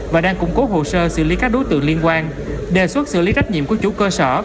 và đang củng cố hồ sơ xử lý các đối tượng liên quan đề xuất xử lý trách nhiệm của chủ cơ sở